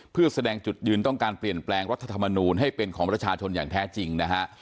เพื่อแสดงจุดยืนต้องการเปลี่ยนแปลงรัฐธรรมนูลให้เป็นของประชาชนอย่างแท้จริงนะฮะ